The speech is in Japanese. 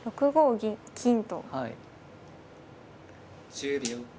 １０秒。